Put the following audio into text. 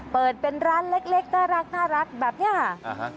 เปิดเป็นร้านเล็กน่ารักแบบนี้ค่ะ